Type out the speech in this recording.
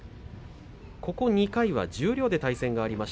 ここ２回は十両で対戦があります。